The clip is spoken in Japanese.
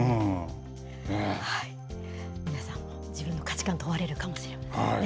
皆さんも、自分の価値観を問われるかもしれませんね。